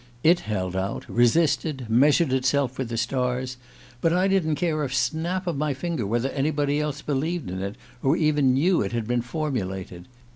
It held out, resisted, measured itself with the stars. But I didn't care a snap of my finger whether anybody else believed in it, or even knew it had been formulated.